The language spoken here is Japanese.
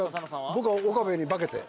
僕岡部に化けて。